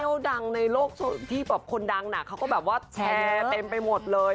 ส่วนเที่ยวดังในโลกที่แบบคนดังน่ะเขาก็แบบว่าแชร์เต็มไปหมดเลย